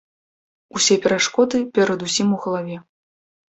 Усе перашкоды перадусім у галаве.